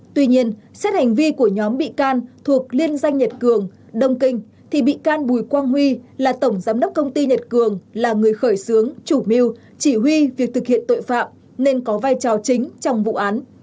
tuy nhiên xét hành vi của nhóm bị can thuộc liên danh nhật cường đông kinh thì bị can bùi quang huy là tổng giám đốc công ty nhật cường là người khởi xướng chủ miêu chỉ huy việc thực hiện tội phạm nên có vai trò chính trong vụ án